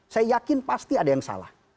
saya yakin pasti ada yang salah